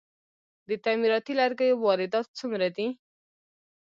د تعمیراتي لرګیو واردات څومره دي؟